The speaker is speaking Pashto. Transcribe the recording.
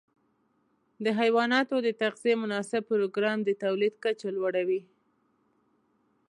د حيواناتو د تغذیې مناسب پروګرام د تولید کچه لوړه وي.